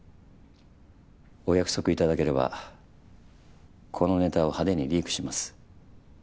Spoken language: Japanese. お約束いただければこのネタを派手にリークします。